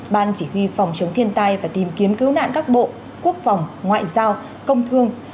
ban chỉ huy phòng chống thiên tai và tìm kiếm cứu nạn các bộ quốc phòng ngoại giao công thương